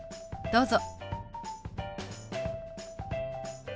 どうぞ。